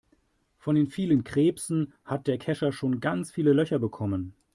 Von den vielen Krebsen hat der Kescher schon ganz viele Löcher bekommen.